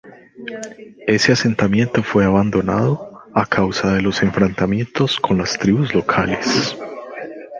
Ese asentamiento fue abandonado a causa de los enfrentamientos con las tribus locales.